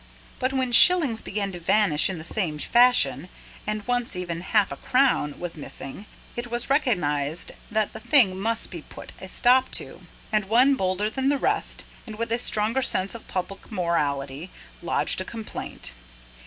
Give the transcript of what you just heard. But when shillings began to vanish in the same fashion, and once even half a crown was missing, it was recognised that the thing must be put a stop to; and one bolder than the rest, and with a stronger sense of public morality, lodged a complaint.